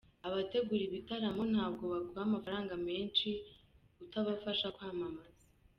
Abategura ibitaramo ntabwo baguha amafaranga menshi utabafasha kwamamaza.